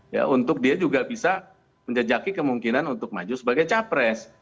ya untuk dia juga bisa menjejaki kemungkinan untuk maju sebagai capres